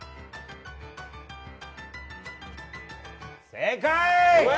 正解！